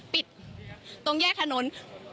ปิดตรงแยกถนน